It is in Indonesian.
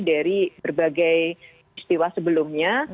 dari berbagai istiwa sebelumnya